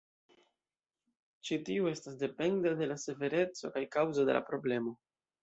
Ĉi tiu estas dependa de la severeco kaj kaŭzo de la problemo.